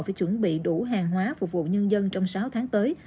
phải chuẩn bị đủ hàng hóa phục vụ nhân dân trong sáu tháng tới